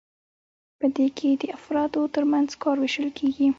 په دې کې د افرادو ترمنځ کار ویشل کیږي.